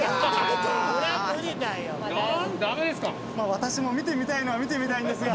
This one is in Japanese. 私も見てみたいのは見てみたいんですが。